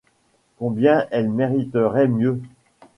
Combien elles mériteraient mieux!.